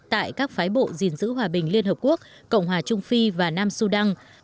tại các phái bộ gìn giữ hòa bình liên hợp quốc cộng hòa trung phi và nam sudan